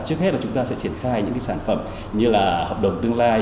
trước hết là chúng ta sẽ triển khai những cái sản phẩm như là hợp đồng tương lai